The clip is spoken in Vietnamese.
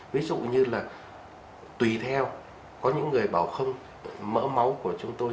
ví dụ như là tùy theo có những người bảo không mỡ máu của chúng tôi